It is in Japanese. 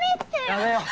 やめよう。